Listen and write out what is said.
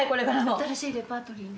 新しいレパートリーに。